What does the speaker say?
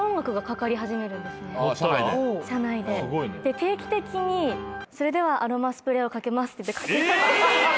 定期的に「それではアロマスプレーをかけます」ってかけて。